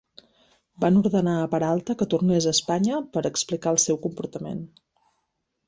Van ordenar a Peralta que tornés a Espanya per explicar el seu comportament.